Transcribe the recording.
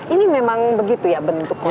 ini memang begitu ya bentuk kotanya